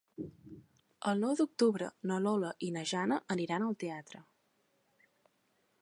El nou d'octubre na Lola i na Jana aniran al teatre.